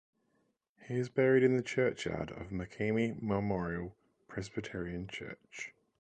He is buried in the churchyard of Makemie Memorial Presbyterian Church.